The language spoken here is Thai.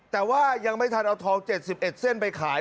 แต่ว่ายังไม่ทันเอาทอง๗๑เส้นไปขาย